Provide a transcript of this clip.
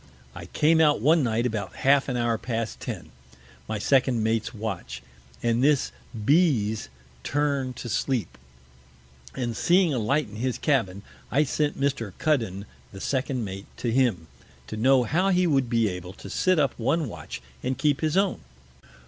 I came out one Night about half an Hour past Ten, my second Mate's Watch, and this B s's Turn to sleep; and seeing a Light in his Cabin, I sent Mr. Cuddon, the second Mate, to him, to know how he would be able to sit up one Watch, and keep his own.